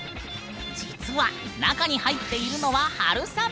実は中に入っているのは春雨！